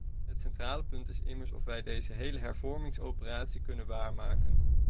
Het centrale punt is immers of wij deze hele hervormingsoperatie kunnen waarmaken.